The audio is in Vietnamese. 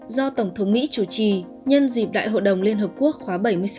do tổng thống mỹ chủ trì nhân dịp đại hội đồng liên hợp quốc khóa bảy mươi sáu